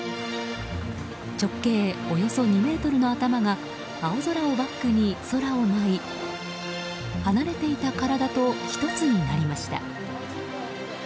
直径およそ２ｍの頭が青空をバックに空を舞い離れていた体と１つになりました。